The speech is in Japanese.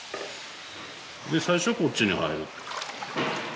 で最初こっちに入る。